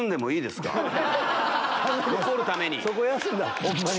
残るために。